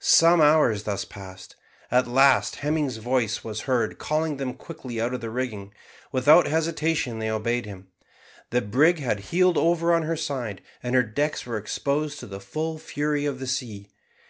Some hours thus passed. At last Hemming's voice was heard calling them quickly out of the rigging; without hesitation they obeyed him. The brig had heeled over on her side, and her decks were exposed to the full fury of the sea.